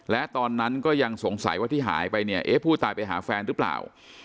และตอนนั้นก็ยังสงสัยว่าที่หายไปเนี่ยเอ๊ะผู้ตายไปหาแฟนหรือเปล่า